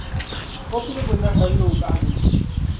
o piligu ni hal ni o bahigu ni.